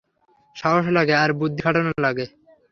সাহস লাগে, আর বুদ্ধি খাটানো লাগে।